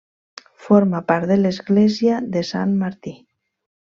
Forma part de l'església de Sant Martí.